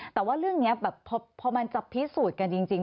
แต่ว่าเรื่องนี้แบบพอมันจะพิสูจน์กันจริง